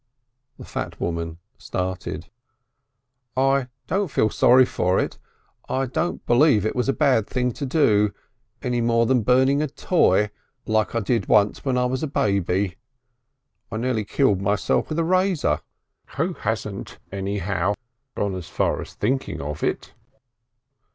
The fat woman started. "I don't feel sorry for it. I don't believe it was a bad thing to do any more than burning a toy like I did once when I was a baby. I nearly killed myself with a razor. Who hasn't? anyhow gone as far as thinking of it?